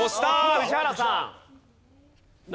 宇治原さん。